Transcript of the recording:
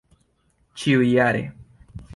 ĉiujare